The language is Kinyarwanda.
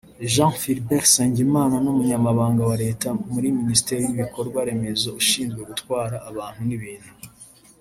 Jean Philbert Nsengimana n’Umunyamabanga wa Leta muri Minisiteri y’Ibikorwa Remezo ushinzwe gutwara abantu n’ibintu